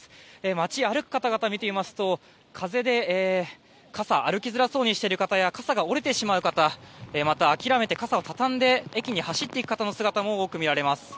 街、歩く方々を見てみますと風で歩きづらそうにしている方や傘が折れてしまう方また、諦めて傘を畳んで駅へ走っていく人の姿も多く見られます。